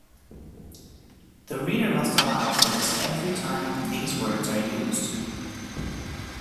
The reader must allow for this every time these words are used.